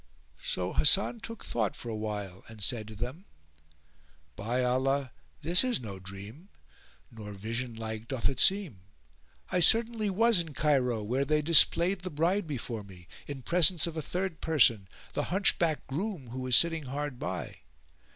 So Hasan took thought for a while and said to them, "By Allah, this is no dream; nor vision like doth it seem! I certainly was in Cairo where they displayed the bride before me, in presence of a third person, the Hunchback groom who was sitting hard by.